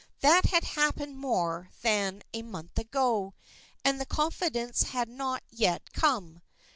That had happened more than a month ago, and the confidence had not yet come.